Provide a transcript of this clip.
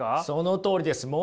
そのとおりです。